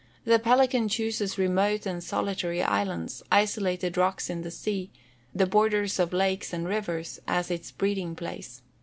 The pelican chooses remote and solitary islands, isolated rocks in the sea, the borders of lakes and rivers, as its breeding place.